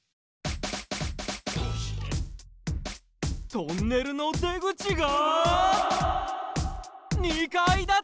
トンネルの出口が２かいだて！？